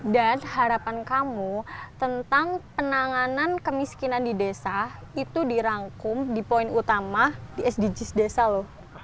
harapan kamu tentang penanganan kemiskinan di desa itu dirangkum di poin utama di sdgs desa loh